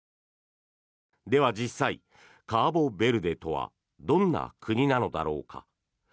では、実際カボベルデとはどんな国なのだろうか。